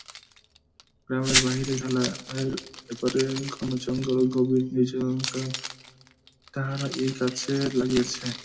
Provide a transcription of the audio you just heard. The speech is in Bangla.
গ্রামের বাহিরে খালের এপারের ঘন জঙ্গল ও গভীর নির্জনতাকে তাহারা ওই কাজে লাগাইয়াছে।